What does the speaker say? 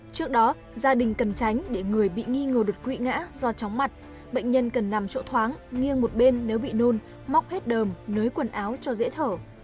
trước đó gia đình cần tránh để người bị nghi ngờ đột quỵ ngã do chóng mặt bệnh nhân cần nằm chỗ thoáng nghiêng một bên nếu bị nôn móc hết đờm nới quần áo cho dễ thở